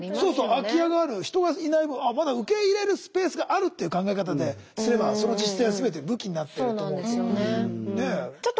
空き家がある人がいない分まだ受け入れるスペースがあるっていう考え方ですればその自治体は全て武器になってると思うと。